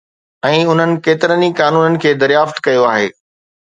۽ انهن ڪيترن ئي قانونن کي دريافت ڪيو آهي